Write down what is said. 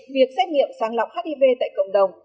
việc xét nghiệm sáng lọc hiv tại cộng đồng